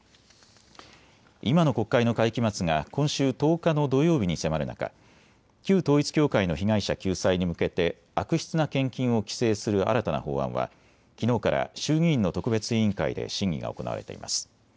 今の国会の会期末が今週１０日の土曜日に迫る中、旧統一教会の被害者救済に向けて悪質な献金を規制する新たな法案はきのうから衆議院の特別委員会で審議が行われています。